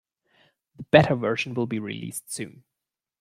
The Beta version will be released soon.